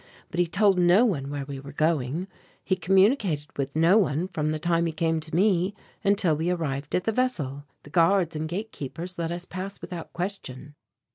But he told no one where we were going. He communicated with no one from the time he came to me until we arrived at the vessel. The guards and gate keepers let us pass without question."